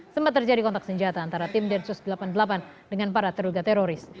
sempat terjadi kontak senjata antara tim densus delapan puluh delapan dengan para terduga teroris